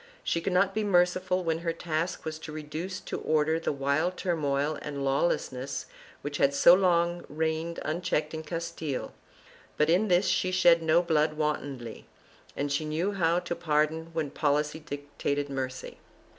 1 She could not be merciful when her task was to reduce to order the wild turmoil and lawlessness which had so long reigned unchecked in Castile, but in this she shed no blood wantonly and she knew how to pardon when policy dictated mercy.